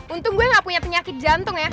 untung gue gak punya penyakit jantung ya